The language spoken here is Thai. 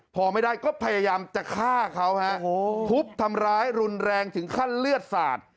พอไม่ได้ก็พยายามจะฆ่าเขาฮะทุบทำร้ายรุนแรงถึงขั้นเลือดสาด